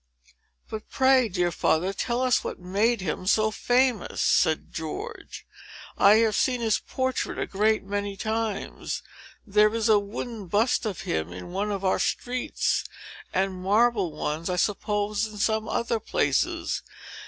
"But, pray, dear father, tell us what made him so famous," said George. "I have seen his portrait a great many times. There is a wooden bust of him in one of our streets, and marble ones, I suppose, in some other places.